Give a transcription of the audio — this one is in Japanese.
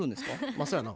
まあそやな。